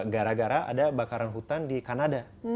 gara gara ada bakaran hutan di kanada